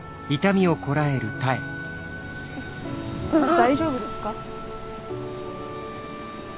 大丈夫ですか？